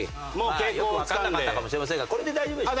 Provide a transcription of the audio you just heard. よくわかんなかったかもしれませんがこれで大丈夫でしょ？